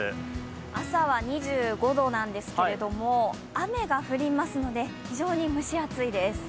朝は２５度ですが、雨が降りますので非常に蒸し暑いです。